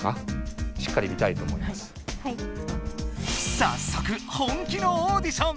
さっそく本気のオーディション！